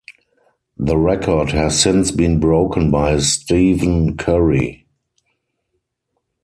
The record has since been broken by Stephen Curry.